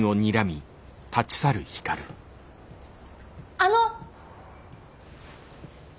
あの！